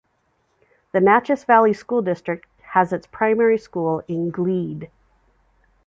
The Naches Valley School District has its primary school in Gleed.